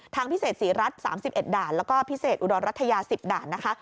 ทางพิเศษศรีรัฐ๓๑ด่านแล้วก็พิเศษอุดรรัฐยา๑๐ด่านนะคะ